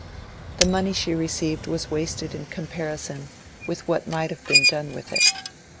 The money she received was wasted in comparison with what might have been done with it.